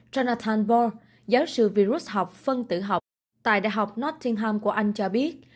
jonathan ball giáo sư virus học phân tử học tại đại học nottingham của anh cho biết